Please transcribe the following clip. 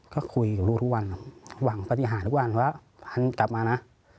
ก็คุยกับลูกทุกวันหวังพฤษฐานทุกวันว่าพันธุ์กลับมานะ